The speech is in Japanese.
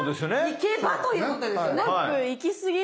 いけばということですよね。